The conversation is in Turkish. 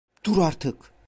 Dur artık!